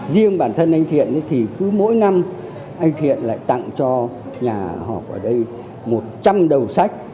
riêng bản thân anh thiện thì cứ mỗi năm anh thiện lại tặng cho nhà họp ở đây một trăm linh đầu sách